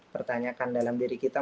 pertanyakan dalam diri kita